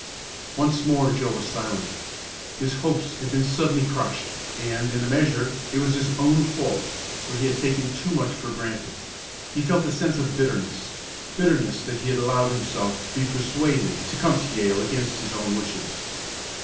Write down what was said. Once more Joe was silent. His hopes had been suddenly crushed, and, in a measure, it was his own fault, for he had taken too much for granted. He felt a sense of bitterness bitterness that he had allowed himself to be persuaded to come to Yale against his own wishes.